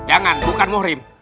jangan bukan muhrim